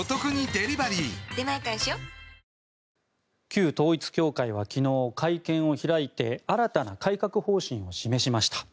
旧統一教会は昨日会見を開いて新たな改革方針を示しました。